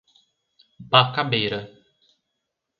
Bacabeira